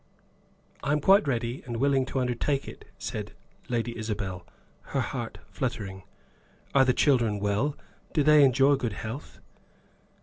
"I am quite ready and willing to undertake it," said Lady Isabel, her heart fluttering. "Are the children well? Do they enjoy good health?"